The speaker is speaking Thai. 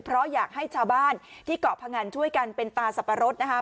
เพราะอยากให้ชาวบ้านที่เกาะพงันช่วยกันเป็นตาสับปะรดนะคะ